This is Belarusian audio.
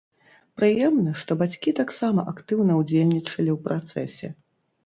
Прыемна, што бацькі таксама актыўна ўдзельнічалі ў працэсе.